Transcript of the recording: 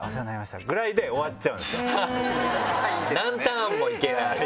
何ターンもいけない。